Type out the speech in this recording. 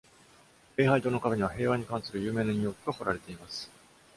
礼拝堂の壁には、平和に関する有名な引用句が彫られています。